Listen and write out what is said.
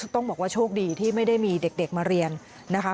ต้องบอกว่าโชคดีที่ไม่ได้มีเด็กมาเรียนนะคะ